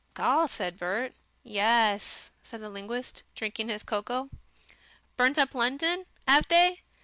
"Gaw!" said Bert. "Yess," said the linguist, drinking his cocoa. "Burnt up London, 'ave they?